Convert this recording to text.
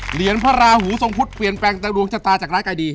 เหรียญพระราหูทรงพุทธเปลี่ยนแปลงแต่ดวงชะตาจากร้ายกายดี